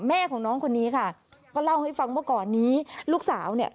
แม่ของน้องคนนี้ค่ะก็เล่าให้ฟังว่าก่อนนี้ลูกสาวเนี่ย